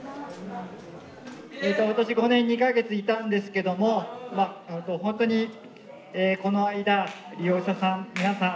私５年２か月いたんですけども本当にこの間利用者さん皆さん